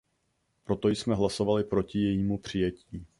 Proto jsme hlasovali proti jejímu přijetí.